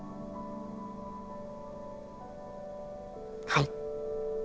はい。